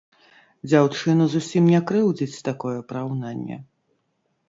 Дзяўчыну зусім не крыўдзіць такое параўнанне.